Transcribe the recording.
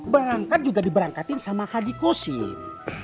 berangkat juga diberangkatin sama haji kosim